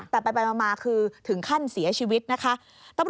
แต่ไปมาคือถึงขั้นเสียชีวิตนะคะ